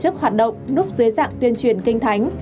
những nhóm tổ chức hoạt động núp dưới dạng tuyên truyền kinh thánh